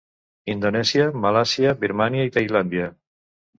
Indonèsia, Malàisia, Birmània i Tailàndia.